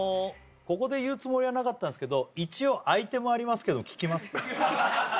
ここで言うつもりはなかったんすけど一応アイテムありますけど聞きますか？